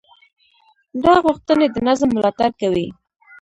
دا غوښتنې د نظم ملاتړ کوي.